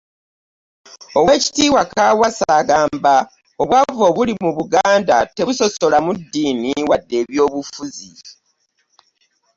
Oweekitiibwa Kaawaase agamba obwavu obuli mu Buganda tebusobola mu ddiini wadde eby'obufuzi